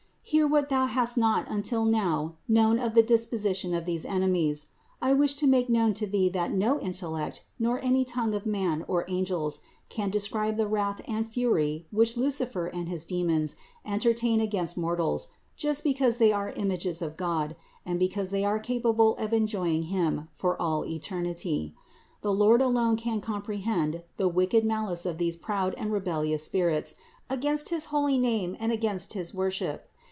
Hear what thou hast not until now known of the dis position of these enemies. I wish to make known to thee that no intellect, nor any tongue of man or angels can describe the wrath and fury which Lucifer and his demons entertain against mortals just because they are images of God and because they are capable of enjoying Him for all eternity. The Lord alone can comprehend the wicked malice of these proud and rebellious spirits against his holy name and against his worship.